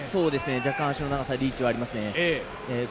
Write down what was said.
若干、足の長さリーチはありますね。